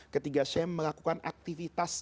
ketika saya melakukan aktivitas